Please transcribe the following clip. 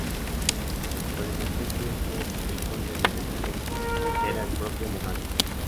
Pero en aquel tiempo, el conde de Besalú era el propio monarca.